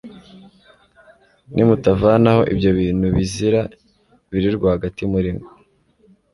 nimutavanaho ibyo bintu bizira biri rwagati muri mwe